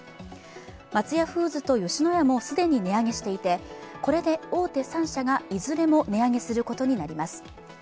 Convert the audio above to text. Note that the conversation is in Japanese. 松屋フーズと吉野家も既に値上げしていて、これで大手３社がいずれも値上げすることになります。